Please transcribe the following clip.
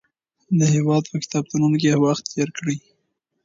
د هېواد په کتابتونونو کې وخت تېر کړئ.